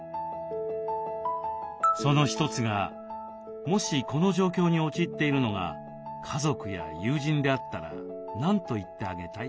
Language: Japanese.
その一つが「もしこの状況に陥っているのが家族や友人であったら何と言ってあげたい？」という質問。